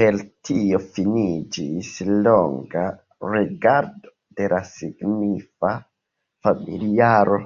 Per tio finiĝis longa regado de la signifa familiaro.